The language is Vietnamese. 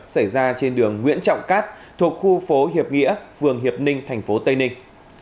xảy ra trên đường nguyễn trọng cát thuộc khu phố hiệp nghĩa phường hiệp ninh tp tây ninh